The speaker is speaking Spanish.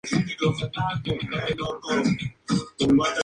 Pero eligió un área bien abierta, donde la caballería pudiera maniobrar.